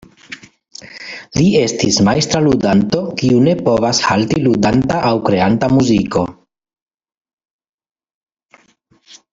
Li estis majstra ludanto kiu ne povas halti ludanta aŭ kreanta muziko.